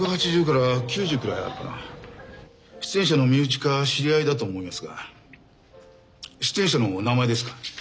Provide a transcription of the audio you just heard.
出演者の身内か知り合いだと思いますが出演者のお名前ですか？